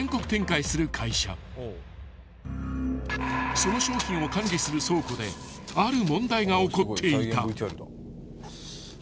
［その商品を管理する倉庫である問題が起こっていた］